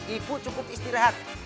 ibu cukup istirahat